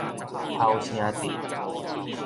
頭城鎮